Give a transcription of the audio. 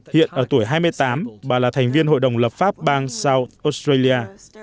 hiện ở tuổi hai mươi tám bà là thành viên hội đồng lập pháp bang south australia